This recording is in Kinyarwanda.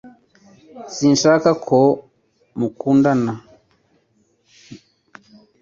Sinshaka ko mukundana na